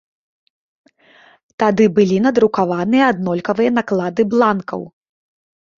Тады былі надрукаваныя аднолькавыя наклады бланкаў.